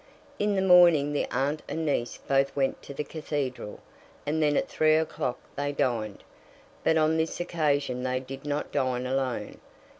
In the morning the aunt and niece both went to the Cathedral, and then at three o'clock they dined. But on this occasion they did not dine alone.